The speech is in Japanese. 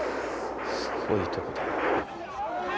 すごいとこだ。